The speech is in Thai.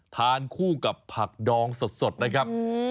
ทานคู่กับผักดองสดนะครับ